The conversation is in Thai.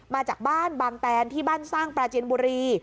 มาจากบ้านบางแตนที่บ้านสร้างปราจินบุรี